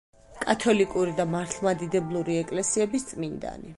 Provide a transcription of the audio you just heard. კათოლიკური და მართლმადიდებელი ეკლესიების წმინდანი.